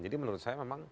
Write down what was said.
jadi menurut saya memang